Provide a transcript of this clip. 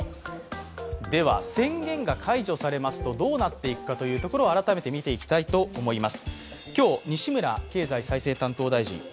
宣言が解除されますとどうなっていくのか、改めて見ていきたいと思います。